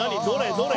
どれ？